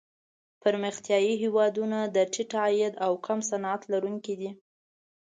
پرمختیايي هېوادونه د ټیټ عاید او کم صنعت لرونکي دي.